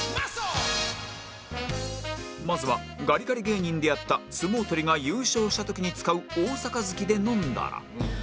まずはガリガリ芸人でやった相撲取りが優勝した時に使う大盃で飲んだら